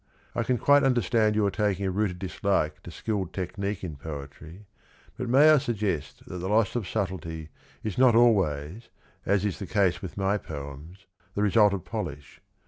I can quite understand your taking a rooted dislike to skilled technique in poetry, but may I suggest that the loss of subtlety is not always (as is the case with my poems) the result of polish.